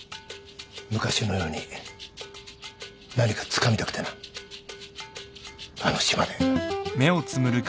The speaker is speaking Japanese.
昔のように何かつかみたくてなあの島で。